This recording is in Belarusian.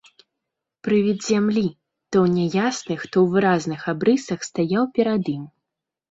Прывід зямлі, то ў няясных, то ў выразных абрысах, стаяў перад ім.